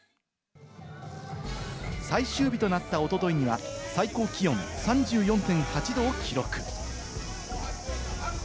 最終日となったおとといには最高気温３４．８度を記録。